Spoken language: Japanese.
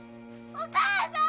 お母さん！